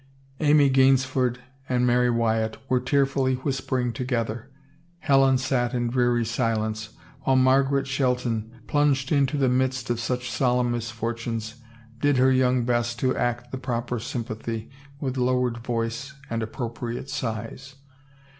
Amy Gaynesford and Mary Wyatt were tearfully whispering together, Helen sat in dreary silence, while Margaret Shelton, plunged into the midst of such solemn misfor tunes, did her young best to act the proper sympathy with lowered voice and appropriate sighs.